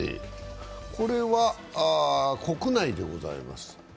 これは国内でございます。